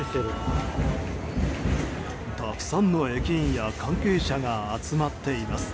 たくさんの駅員や関係者が集まっています。